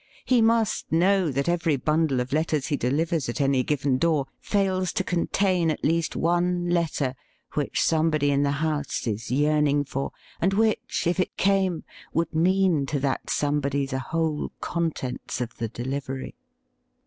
He must know that every bundle of letters he delivers at any given door fails to contain at least one letter which somebody in the house is yearning for, and which, if it came, would mean to that somebody the whole contents of the delivery.